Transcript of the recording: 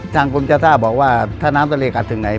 ทางกรมเจ้าท่าบอกว่าถ้าน้ำทะเลกัดถึงไหน